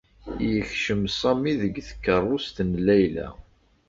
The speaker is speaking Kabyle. Yekcem Sami deg tkeṛṛust n Layla.